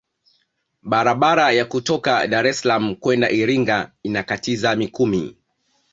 barabara ya kutoka dar es salaam kwenda iringa inakatiza mikumi